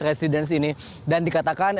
residen sini dan dikatakan